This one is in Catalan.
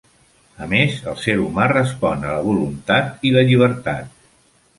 A més, el ser humà respon a la voluntat i la llibertat.